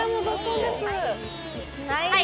はい！